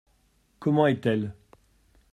Comment est-elle ?